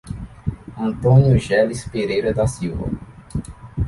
Antônio Geles Pereira da Silva